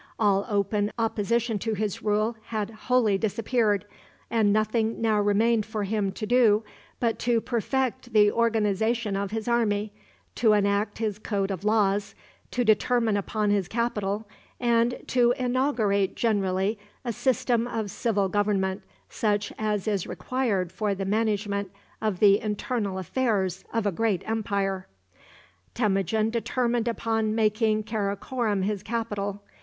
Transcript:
All open opposition to his rule had wholly disappeared, and nothing now remained for him to do but to perfect the organization of his army, to enact his code of laws, to determine upon his capital, and to inaugurate generally a system of civil government such as is required for the management of the internal affairs of a great empire. Temujin determined upon making Karakorom his capital.